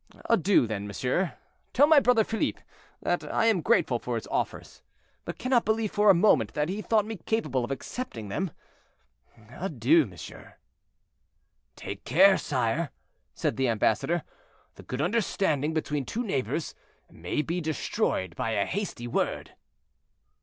Adieu, then, monsieur. Tell my brother Philippe that I am grateful for his offers, but cannot believe for a moment that he thought me capable of accepting them. Adieu, monsieur." "Take care, sire," said the ambassador; "the good understanding between two neighbors may be destroyed by a hasty word."